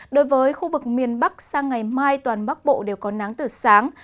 đối với khu vực miền bắc sang ngày mai toàn bắc bộ đều có nắng từ sáng